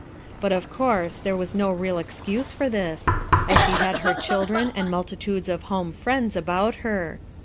But of course there was no real exeuse for this, as she had her children and multitudes of home friends about her.